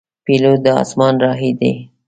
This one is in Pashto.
پیلوټ د اسمان راهی دی.